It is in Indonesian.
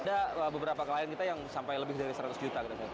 ada beberapa klien kita yang sampai lebih dari seratus juta gitu